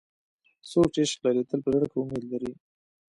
څوک چې عشق لري، تل په زړه کې امید لري.